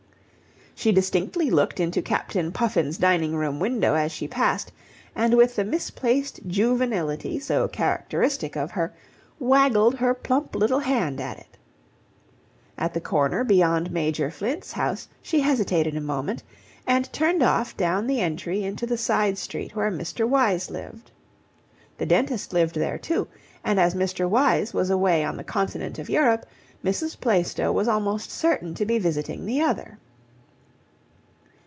She distinctly looked into Captain Puffin's dining room window as she passed, and with the misplaced juvenility so characteristic of her, waggled her plump little hand at it. At the corner beyond Major Flint's house she hesitated a moment, and turned off down the entry into the side street where Mr. Wyse lived. The dentist lived there, too, and as Mr. Wyse was away on the continent of Europe, Mrs. Plaistow was almost certain to be visiting the other.